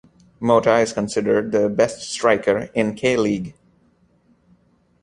Mota is considered the best striker in K-League.